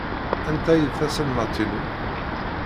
Anta ay d taselmadt-inu?